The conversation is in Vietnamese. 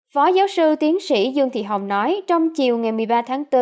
phó giáo sư tiến sĩ dương thị hồng nói trong chiều ngày một mươi ba tháng bốn